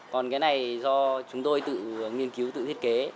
còn cái này do chúng tôi tự nghiên cứu tự thiết kế